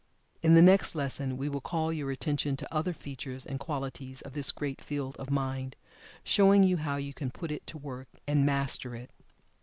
In the next lesson we will call your attention to other features and qualities of this great field of mind, showing you how you can put it to work, and Master it.